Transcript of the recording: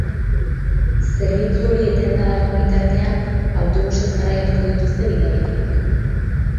Zerbitzu hori etenda dagoen bitartean, autobusez garraiatuko dituzte bidaiariak.